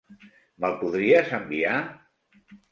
Me'l podries enviar?